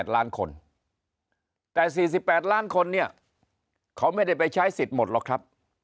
คนแต่๔๘ล้านคนเนี่ยเขาไม่ได้ไปใช้สิทธิ์หมดหรอกครับ